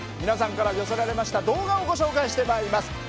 皆さんから寄せられました動画をご紹介してまいります。